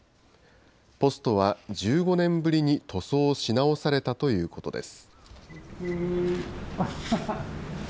ポストは１５年ぶりに塗装をし直されたということです。